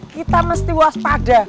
kita mesti waspada